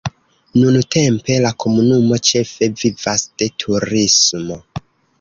Nuntempe la komunumo ĉefe vivas de turismo.